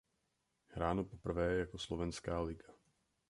Hráno poprvé jako Slovenská liga.